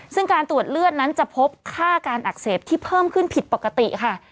ซึ่งการตรวจเลือดนั้นจะพบค่าการอักเสบที่เพิ่มขึ้นผิดปกติค่ะ